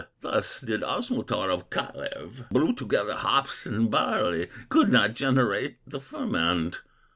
"Thus did Osmotar of Kalew Brew together hops and barley, Could not generate the ferment.